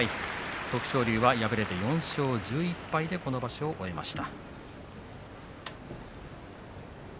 徳勝龍は敗れて４勝１１敗でこの場所を終えました。